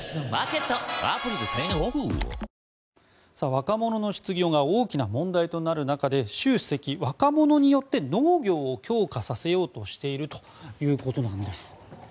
若者の失業が大きな問題となる中で習主席、若者によって農業を強化させようとしているということです。